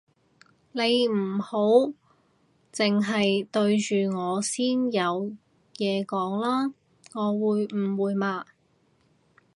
你唔好剩係對住我先有嘢講啦，我會誤會嘛